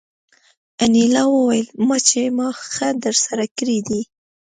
انیلا وویل چې ما څه ښه درسره کړي دي